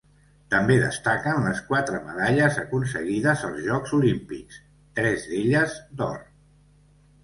També destaquen les quatre medalles aconseguides als Jocs Olímpics, tres d'elles d'or.